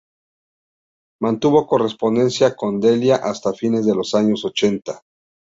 Mantuvo correspondencia con Delia hasta fines de los años ochenta.